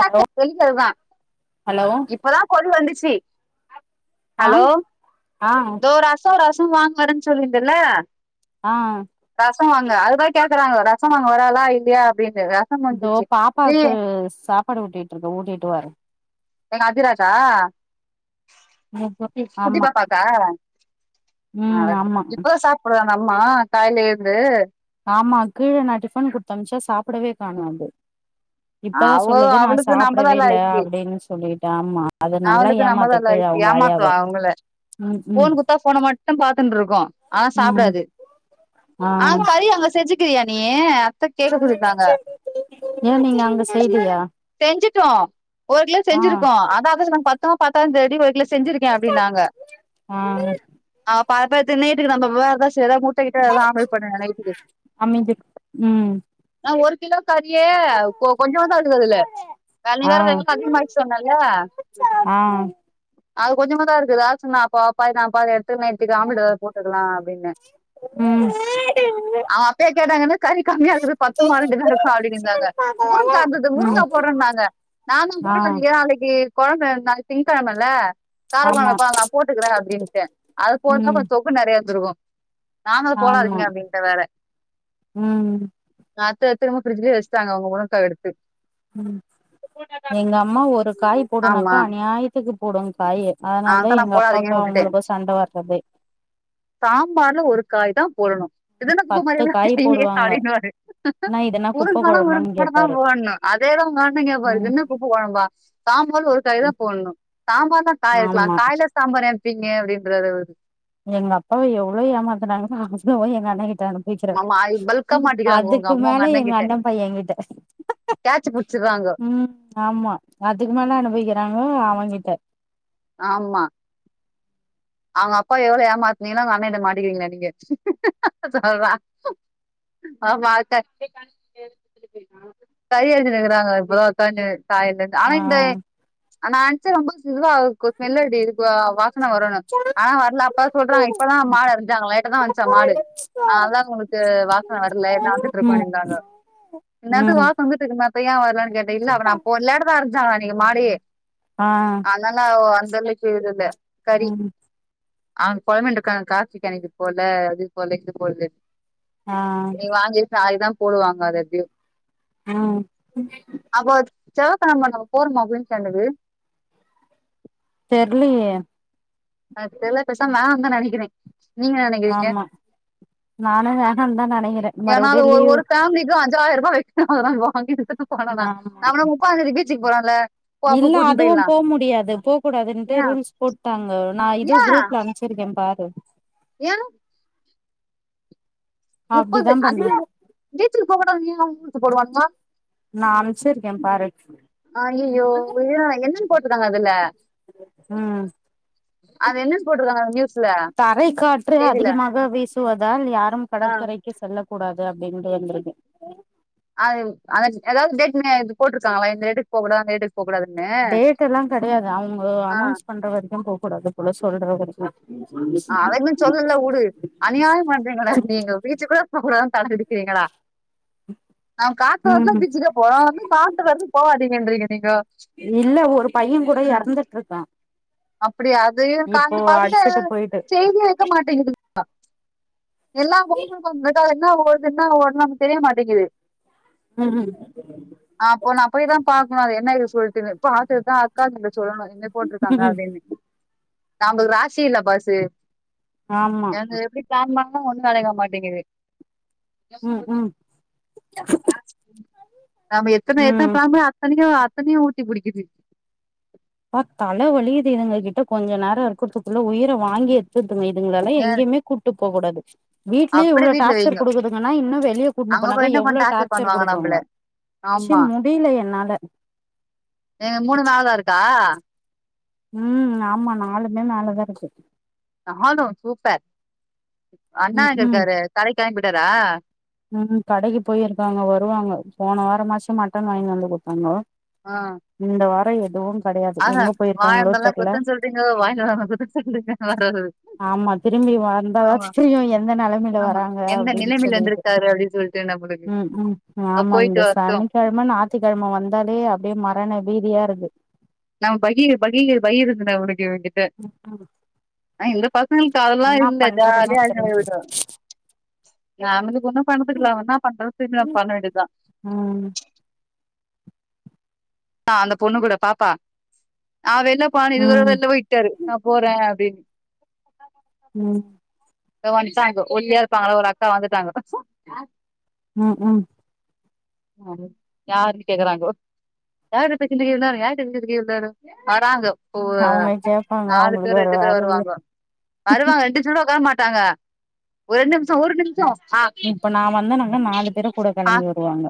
Hello train அதுதா hello இப்பதா பொருள் வந்துச்சி ஆ ஹலோ ஆ இதோ ரசோ ரசோ வாங்க வர்றேன் சொல்லிருந்தேல ஆ ரசோ வாங்க அதுதா கேக்குறாங்க ரசோ வாங்க வரலா இல்லயா அப்டின்னு இதோ பாப்பாவுக்கு சாப்பாடு ஊட்டிட்ருக்கே ஊட்டிட்டு வர்றே எங்க அதிராஜா ஆமா குட்டிபாப்பாக்கா ம் அடக் ஆமா இப்பதா சாப் டுதா அந்த அம்மா காலேல இருந்து ஆமா கீழ நா டிஃபன் குடுத்து அம்சே சாப்டவே காணோ அது இப்பதா அவ சொல்லுது நா அவளுக்கு சாப்டவே நம்மதான் இல்ல லாய்க்கு அப்டின்னு சொல்லிட்டு ஆமா அது நல்லா அவளுக்கு நம்மதான் ஏமாத்த கீழ லாய்க்கு அவங்க ஆயாவ ம் ம் ஃபோன மட்டு பாத்துன்ருக்கு ஆனா ம் சாப்டாது ஆ கறி அங்க செஞ்சி கிரியா நீ அத்தை கேட்க சொல்லிருக்காங்க ஏ நீங்க அங்க செய்லியா செஞ்சிட்டோ ஒரு கிலோ ஆ செஞ்சிருக்கோ அதா அதா சொன்னாங்க பத்துமோ பத்தாதான்னு தெரில ஒரு கிலோ செஞ்சிருக் கே அப்டின்னாங்க ஆ ஆ பாப்பே தின்னுட்டுருக்கு நம்ம வேற தா செய் எதா இருந்தாலு முட்ட கிட்ட எதா ஆம்லேட் பண்ணுங்க நைட்டுக்கு அமைதி ம் ஏ ஒரு கிலோ கறியே கொ கொஞ்சோனுதா இருக்குது அதுல தண்ணி ஆ வேற வேல அதிகமாயிருச்சி சொன்னல்ல ஆ ஆ அது கொஞ்சமாதா இருக்குது யாரு சொன்னா அப்போ அப்பா அப்பா எடுத்துகின்னு நைட்டுக்கு ஆம்டேல்டு எதானு போட்டுக்கலா அப்டின்னே ம் அவங்க அப்பயே கேட்டாங்கன்னா என்னது கறி கம்மியா இருக்து பத்து மா ரெண்டு பேருக்கு அப்டின் இருந்தாங்க முருங்கா இருந்தது ம் முருங்கா போட்றே னாங்க நா தா ஆ போடாதீங்க நாளைக்கி கொழம்ப நாளைக்கி திங்க்கெழமல்ல காரைக்கொழம்பு ஆமா வைப்பே நா போட்டுக்கிறே அப்டின்னுட்டே அது போட்டுருந்தா ம் கொஞ்சோ தொக்கு நெறையா வந்துருக்கு நா தா ஆமா போடாதீங்க அப்டின்ட்டே வேற ம் அத்த எடுத்துனு போய் பிரிட்ஜ் குள்ளயே வச்சுட்டாங்க அவுங்க முருங்காய எடுத்து ம் எங்க அம்மா ஒரு காயி ஆமா போடுனாக்கா அநியாயத்துக்கு போடும் காய அதனால தா அதான் எங்க நான் அப் போடாதீங்கன்னு பாக்கும் விட்டுட்டேன் அவங்களுக்கும் சண்ட வர்றதே சாம்பார்ல ஒரு காய் தா போடணு இது என்னா குப்ப பத்து மாரியே வே கே காய் போடுவாங்க அப்டின்னுவாரு என்னா இதுன்னா குப்ப முருங்க்காலா விட [inaudible] கொழம்பான்னு மட்டு தா கேப்பாரு போடணு அதேதா பொலம்பின்னு இருப்பாரு பாரு இது ம் என்ன குப்ப கொழம்பா சாம்பார்ல ஒரு காயி தா போடணு சாம்பார்லா காய் இருக்கலா ஆமா காய்ல சாம்பார் எனைப்பீங்க அப்டின்றாரு அவரு எங்க அப்பாவ எவ்ளோ ஏமாத்தனாங்க பா அவ்ளோ வாயி எங்க அண்ண கிட்ட அனுப வக்கிற ஆமா பல்கா மாட்டிக்கிறாங்க உங்க அதுக்கு அம்மா உங்க மேல எங்க அண்ண பையன் எங்கிட்ட கேச்சி புடிச்சராங்கோ ஆமா அதுக்கு மேல அனுபவிக்கிறாங்க அவன்கிட்ட ஆமா அவுங்க அப்பா எவ்ளோ ஏமாத்தினீங்களோ அவுங்க அண்ணா கிட்ட வந்து மாட்டிக்கிறீங்காளாட்டுகிது சொல்றா ஆமா [inaudible] கரி வச்சி செஞ்சிகிறாங்க இப்பதா ஒக்காந்து காய் இல்லன் ஆ ஆனா இந்த நா நென்ச்சே ரொம்ப சுதுவா கு ஸ்மெல் அடிக்குது குவ வாசன வருன்னு ஆனா வர்ல அப்ப சொல்றாங்க இப்பதா மாடு அறிஞ்சாங்களா லேட்டா தா வண்ச்சா மாடு அதா உங்களுக்கு வாசன வர்ல இல்லனா வந்துட்டு இருக்கோ ம் அப்டின்றாங்கோ இன்னாத்துக்கு ம் வாசன வந்துட்ருக்குமே இப்ப ஏன் வர்லன் கேட்ட இல்ல அப்ப நா போ லேட்டா தா அறிஞ்சாங்களா இன்னைக்கு மாடயே ஆ ஆனல்லா ஓ அந்தலவுக்கு இது இல்ல கறி ம் அவங்க பொலம்பின்ட்டுருக்காங்க காசி கெளம்பி போல அது போல இது போடலன்னு ஆ நீ வாங்கி ச இதா போடுவாங்க அத எப்டியு ம் அப்போ செவ்வா கெழம நம்ப போறோமா புதன் கேண்டது தெர்லயே அது தெர்ல பேசாமா வேனா தா நெனைக்கிறே நீங்க என்ன நெனைக்கிறீங்க ஆமா நானு வேனாந்தா நெனைக்கிற ஏன்னா அது மருபிடியு ஒரு லீவு ஒரு ஃபேமிலிக்கு அஞ்சாயிர ரூபா வச்சினுக்கிறோ வாங்கி குடுத்துட்டு போனானா ஆமா நம்மளா முப்பாந்தேதிக்கு பீச்சிக்கு போறோல்ல இல்ல அதுவு போ முடியாது போ கூடாதுன்ட்டு ஏன் ரூல்ஸ் போட்டாங்க நா இதுவு குரூப்ல அ ம்சிருக்கே பாரு யான் முப்பது அப்டிதா அது பண்ணு ஏ பீச்சிக்கு போகக்கூடாதுன் ஏ ரூல்ஸ் போடுவானுங்க நா அம்ச்சிருக்கே பாரு ஆ அய்யயோ இது என்னாடா என்னான்னு போட்டுருக்காங்க அதுல ம் அது என்னான் போட்டுருக்காங்க அந்த நியூஸ்ல தரை காற்று செய்தியில அதிகமாக வீசுவதால் யாரும் ஆ, கடற்கரை க்கு செல்லக் கூடாது அப்டின்ட்டு வந்துருக்கு அது அது எதாவது டேட் மே போட்டுருக்காங்களா இந்த டேட்டுக்கு போ கூடாது அந்த டேட்டுக்கு போக கூடாதுன்னு டேட் எல்லாம் கெடையாது அவங்க ஆ, அனௌன்ஸ் பண்ற வரைக்கும் போ கூடாது போல சொல்ற வரை ஆ அத இன்னும் சொல்லல உடு அநியாயம் பண்றீங்களே நீங்க பீச்சிக்கு போக்கூடாதுன்ட்டாங்கனா விட்ருவீங்களா ஆ காத்து வாங்கதா ம் பீச்சிக்கே போறோம் அங்க காத்து வருது போகவாதீங்கன்றீங்க நீங்கோ இல்ல ஒரு பையன் கூட எறந்துட்டுருக்கா அப்டியா அதேய காத்து பாத்துட்டு போயிட்டு செய்தியே வெக்க மாட்டேங்குதுங்க எல்லா பொங்க கொட்ட எதா என்ன ஓடுது என்ன ஓடுது நமக்கு தெரிய மாட்டேங்குது ம்‌ ம் அப்ப நா போய் தா பாக்கணும் அது என்ன ரிசல்ட்டுனு பாத்துட்டுதா அக்காகிட்ட சொல்லணும் இந்தமார் போட்ருக்காங்க ம் நாங்க ராசி இல்ல பாசு ஆமா எனக்கு எப்டி பிளான் பண்ணோ ஒன்னு நடக்க மாட்டேங்குது ம் ம் நாம எத்தன எத்தன ம் பாமே பண்ணியு அத்தனையும் ஊத்தி குடிக்குது ப்பா தலை வலிகுது இதுங்க கிட்ட கொஞ்ச நேரம் இருக்கதுக்குள்ள உயிர வாங்கி எடுத்துருதுங்க இதுங்கலல்லா அ எங்கேயுமே கூட்டு போ கூடாது வீட்லயே அப்டியே இவ்ளோ வீட்ல டார்ச்சர் வைங்க குடுக்குதுங்கன்னா இன்னு வெளிய கூட்டுட்டு அங்க போய் போனாக்கா இன்னு கொஞ்ச எவ்ளோ டார்ச்சர் பண்ணுவாங்க நம்பள குடுக்குங்க ஆமா முடில என்னால ஏங்க மூணு நாளா இருக்கா ம் ஆமா நாலுமே மேலதா இருக்கு நாளும் சூப்பர் அண்ணா ம் எங்க ம் இருக்காரு கடைக் கெளம்பிட்டாரா ம் கடைக்கு போயிருக்காங்க வருவாங்க போன வார மாச்சும் மட்டன் வாங்கி வந்து குடுத்தாங்கோ ஆ இந்த வாரோ எதுவும் ஆஹா வாய்ந்தரல்ல குத்தம் சொல்றீங்கோ வாய்ன்ட்டு வரலனா குத்தம் சொல்றீங்கோ வராரு ஆமா திரும்பி வந்தாதா தெரியும் எந்த நெலமையில ஆமா. வராங்க எந்த அப்டின்னு நிலைமையில சொல்லிட்டு இருந்திருக்காரு அப்டின்னு சொல்லிட்டு நம்மளுக்கு. ம் ம் ம் அ ஆமா போயிட்டு இந்த வரட்டும். சனிக்கெழம ஞாயித்திக்கெழம வந்தாலே அப்டியே மரண பீதியா இருக்கு நா பகீ பகீர் பகீர்ந்துன்டா உனக்கு இவங்கிட்ட ம் ம். ஆ பசங்களுக்கு அதெல்லா என்னா இல்ல பண்றதுன்னே ஜாலியா தெரியல விடு நா வந்து ஒன்னு பண்ணதுக்கில்ல என்னா பன்றதுனு தெர்ல பண்ண வேண்டியதுதா ம் ஆ அந்த பொண்ணு கூட பாப்பா ந வெளிலபோன இது ஒருரதல்ல ம் வெளில போய்ட்டாரு நா போறே அப்டின் ம் தோ வந்துட்டாங்க ஒல்லியா இருப்பாங்களா ஒரு அக்கா வந்துட்டாங்க ம் ம் சரி யாருனு கேக்குறாங்கோ யாரிட்ட பேசிகிட்டு இருந்த இவ்ள் நேரோ யார் கிட்ட பேசிகிட்டு இருந்த இவள நேரோ வராங்கோ ஒ அவங்க கேப்பாங்க நாலு அவங்களுக்கு பேர் வேற ரெண்டு பேரும் வேல இல்ல வருவாங்க வருவாங்க ரெண்டு சூட உக்கார மாட்டாங்க ரெண்டு நிமிஷம் ஒரு நிமிஷம் ஆ ஆ போவாங்க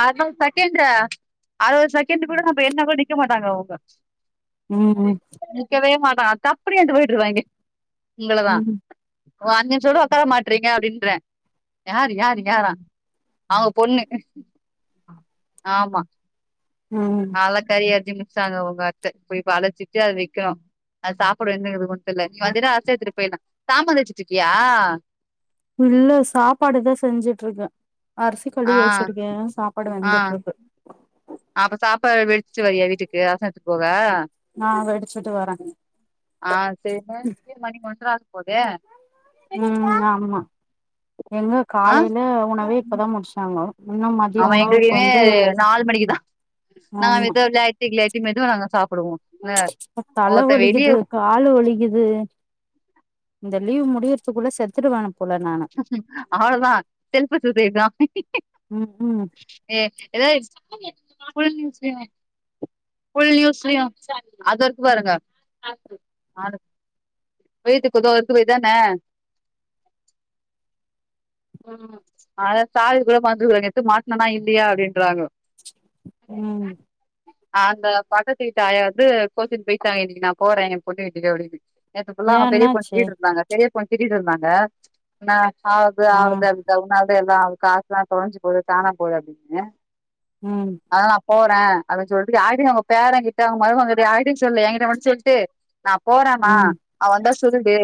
அறுபது செகண்டு அறுபது செகண்ட் கூட நம்ம என்னா கூட நிக்க மாட்டாங்க அவுங்க ஆது ம் நிக்கவே மாட்டா தப்புன்ட்டு ஏந்து போயிட்டு இருப்பாங்க உங்களதா ம் வாங்கனு சொல்றே உக்கார மாட்டேகீறீங்க அப்டின்றே யாரு யாரு யாரா அவுங்க பொண்ணு ஆமா ம் இப்பதா கறி அரிஞ்சி முச்சாங்க ஒங்க அத்த போய் அலச்சிட்டு அத வெக்கினு அது சாப்ட என்னங்கது கூட தெல்ல நீ வந்தினா அலசி எத்துட்டு போயிட்லா சாம தேச்சுட்டுருக்கியா இல்ல சாப்பாடுதா செஞ்சுட்டு இருக்கஅரிசி கழி ஆ வச்சிருக்கே சாப்பாடு ஆ வெந்துட்ருக்கு அப்ப சாப்பாடு வடிச்சிட்டு வரியா வீட்டுக்கு ரச எத்து போவ நா வடிச்சுட்டு வர ஆ செரிங்க இப்பே மணி ஒன்ற ஆக போதே ம் ஆமா எங்க ஆ காலைல உணவே இப்பதா முடிச்சாங்கோ இன்னு மதிய ஆமா உணவுக்கு வந்து நா ஆமா எது விளாட்டி கிளாட்டி மெதுவ வாங்க சாப்டுவோ தல வலிக்குது காலு வலிக்கிது இந்த லீவ் முடியறதுக்குள்ள செத்துடுவே அவ்ளதா செல்ஃபு சூசைட் தா ம் ம் ஏ ஏதாவது சத்தோ கேட்டுதுமா கொழந்தய வச்சிட்டு ஃபுல் நியூஸ்லியு அதோ இருக்கு பாருங்க வெயிட்டுக்குதோ இருக்கு இதான அத சால் கூட [unintelligible] எத்து மாட்னன்னா இல்லயா அப்டின்றாங்கோ ம் அந்த பக்கத்து வீட்டு ஆயா வந்து கோச்சினு போயிச்சா இன்னிக்கி நா போற ஏ பொண்ணு வீட்டுக்கு அப்டினு நேத்து ஃபுல்லா ஏ அவுங்க பெரிய பொண் என்னாச்சு திட்டிட் இருந்தாங்க பெரிய பொண்ண திட்டிட் இருந்தாங்க நா சாவதா ஆ ஆவுது உன்னால தா எல்லா காசுலா தொலஞ்சு போது கானா போது அப்டின்னு ம் அதனால நா போற அப்டின் சொல்ட்டு யார்ட்டியு சொல்ல அவுங்க பேரங் கிட்ட அவுங்க மருமககிட்ட யார்ட்டியு சொல்ல எங்கிட்ட மட்டு சொல்ட்டு நா போறேமா ம் அவ வந்தா சொல்டு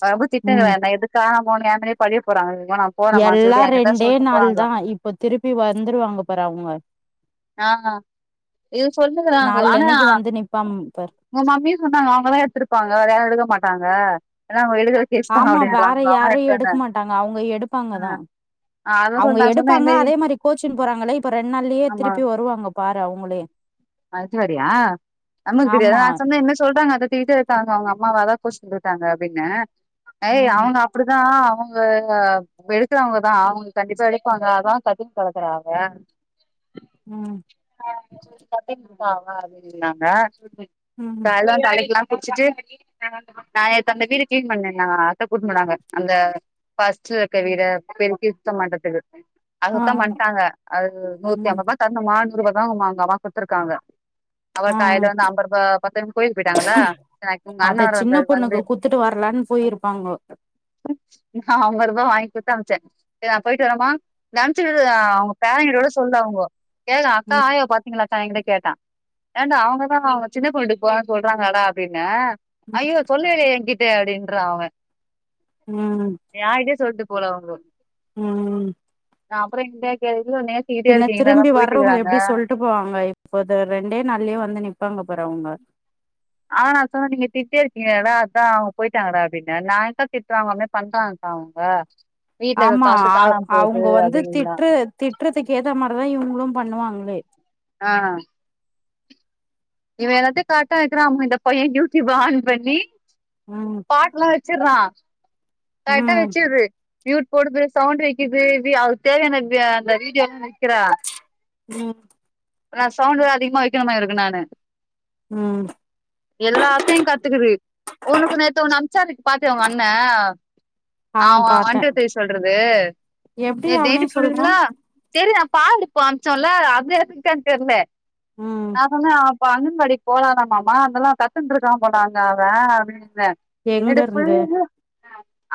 அவ ரொம்ப திட்றா ம் என்ன எது காண போன்னே ஏ மேலே பழிய போறாங்க வேணா போறேம்மான்னு எல்லா சொல்லிட்டு என்கிட்ட ரெண்டே சொல்ட்டு நாள் தா இப்போ திருப்பி வந்துருவாங்க பாரு அவுங்க ஆ இது சொல்னுகிறாங்கோ ஆனா பம்ப்பர் உங்க மம்மியு சொன்னாங்க அவுங்கதா எடுத்திருப்பாங்க வேற யாரு எடுக்க மாட்டாங்க ஏனா அவுங்க எடுக்கிற கேஸ் தா ஆமா வேற அப்டின்றாங்க அவங்க யார்ரையு எடுத்தாங்க எடுக்க மாட்டாங்க அவுங்க எடுப்பாங்கதா ஆ அதா அவுங்க சொல் நா சொன்னே இது எடுப்பாங்க அதே மாரி கோச்சின் போறாங்களே இப்ப ரெண்ட் நாள்லயே ஆமா திருப்பி வருவாங்க பாரு அவுங்களே அது வேறயா நமக்கு தெரியாது ஆமா நா சொன்ன என்ன சொல்றாங்க அத தூயிட்டு டாங்க அவுங்க அம்மாவதா கோச்சின் போய்ட்டாங்க அப்டின்ன ஏய் ம் அவுங்க அப்டிதா அவுங்க அவுங்க எடுக்கறவங்கதா அவுங்க கண்டிப்பா எடுப்பாங்க அதா கத்தின் கடக்குறா அவ ம் [inaudible] கத்தின் இருக்காங்க அப்டின்னாங்க ம் கால்ல தலைக்லா குள்ச்சிட்டு நா இப்ப அந்த வீடு கிளீன் பன்னன்னா அத்த கூட் போனாங்க அந்த ஃபஸ்ட்ல இருக்க வீட பெருக்கி சுத்த பன்றத்துக்கு அது ஆ சுத்த பண்ட்டாங்க அது நூத்தி ம் ஐம்பது ரூபா தர்னுமா நூறுபாதா அவுங்க அம்மா குத்துருக்காங்க அவரு ஆ கைல வந்து ஐம்பது ரூபா பத்தன் கோய்லுக்கு போயிட்டாங்களா [unintelligible] ஒங்க அண்ண அத வேற வந்தாரு வந்து தாங்கோ நா ஐம்பது ருபா வாங்கி குத்து அம்ச்ச செரி நா போயிட்டு வரமா நென்ச்சுகிட்டு அவுங்க பேரங்கிட் கூட சொல்ல அவுங்கோ கேக்கா அக்கா ம் ஆய்யா பாத் தா ஏங்கிட்ட கேட்டா ஏண்டா அவுங்கதா அவுங்க சின்ன பொண்ணூட்டுக்கு போறன் சொல்றாங்களடா அப்டின்ன ம் ஐயோ சொல்லவே இல்லே ஏங் கிட்ட அப்டின்றா அவ ம் யார்டியு சொல்டு போல அவுங்கோ ம் அ அப்புறோ இந்த க இதுல நேத் பின்ன திரும்பி வர்றவங்க எப்பிடி சொல்ட்டு போவாங்கே இப்போது ரெண்டே நாள்யே வந்து நிப்பாங்க பாரு அவுங்க ஆனா சொன்ன நீங்க திட்டே இருக்கீங்கடா அதா அவுங்க போயிட்டாங்கடா அப்பிடின்ன நான் எங்க்கா திட்ரே அவுங்க அந்மேரி பண்றாங்க்கா அவுங்க ஆமா அவ் அவுங்கோ வந்து அப்டின்னா திட்டுற திட்டறதுக்கு ஏத்தே மாரிதா இவுங்களு பண்ணுவாங்களே ஆ இவே எல்லாத்தையு கரட்டா வைக்கிறா அவே இந்த பைய டியூடியூப்ப ஆன் பண்ணி ம் பாட்ல்லா வச்சிர்றா கரெக்டா ம் வச்சிர்து மியூட் போடுது சவுண்ட் வைக்கிது விஅதுக்கு தேவையான வ் அந்த வீடியோலா வைக்கிறா ம் நா சவுண்ட் தா அதிகமா வைக்கணுமா இருக்கு நானு ம் எல்லாத்தையு கத்துக்குது உனக்கு நேத்து ஒன்னு அம்ச்சாரு பாத்தியா உங்க அண்ண ஆ ஆமா ஒன் பாத்தே டு த்ரீ சொல்றது எப்டி நேத்து அவனே நைட்டு சொல்றா ஃபுல்லா செரி நா பால்டிப்போ அம்ச்சோம்லே அதுருக்கா தெர்லே ம் நா சொன்ன அ இப்போ அங்கன்வாடிக்கு போலானாமாமமா அதெல்லா கத்துன்ட்டுருக்கா போல அங்க அவு அப்டின்னே எங்க நைட் ஃபுல் இருந்து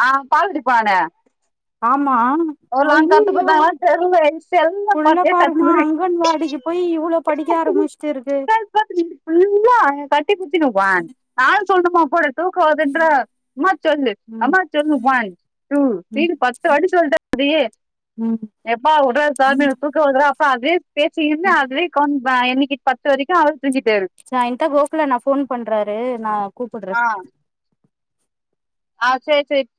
ஆ பால்வடி போனானே ஆமா ஒரு நாள் கத்து அய்யய்யோ கொடுத்தாங்களான்னு தெர்ல செல்ல புள்ளா பாத்தே பாருமா கத்துவே அங்கன்வாடிக்கி போய் இவ்ளோ படிக்க ஆரம்பிச்சுட்டுருக்கு இன்னைக்கி ஃபுல்லா கட்டி புடிச்சுன்னுப்பா நா சொல்லணுமா தூக்கோ வருதுன்றே அம்மா சொல்லு ம் அம்மா சொல்லு ஒன் டு த்ரீயின் பத்து வாட்டி சொல்லிட்டே அதேயே ம் எப்பா உட்ரா சாமி தூக்கோ வருதுலே அப்பே அதயே ம் பேசின்ன அதுவே கௌன் என்னிட்டு பத்து வரைக்கு அவரு துங்கிடாரு ச ஏன்ட்டே கோகுலண்ணா ஃபோன் பண்றாரு நா கூப்பிட்றே ஆ ஆ செர் செரி